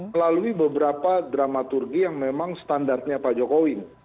melalui beberapa dramaturgi yang memang standarnya pak jokowi